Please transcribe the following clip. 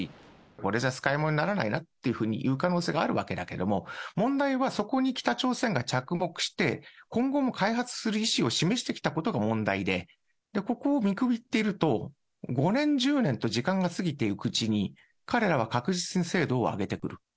これじゃ使いものにならないなというふうに言う可能性があるわけだけれども、問題は、そこに北朝鮮が着目して、今後も開発する意思を示してきたことが問題で、ここを見くびっていると、５年、１０年と時間が過ぎていくうちに、彼らは確実に精度を上げてくる。